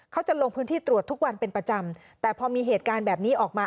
เขาจะลงพื้นที่ตรวจทุกวันเป็นประจำแต่พอมีเหตุการณ์แบบนี้ออกมา